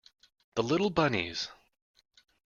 The little bunnies!